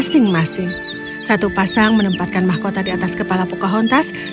satu pasang menempatkan mahkota di atas kepala pocahontas